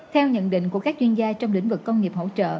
theo nhận định của các chuyên gia trong lĩnh vực công nghiệp hỗ trợ